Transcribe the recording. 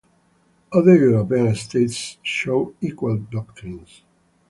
Other European states show equal doctrines.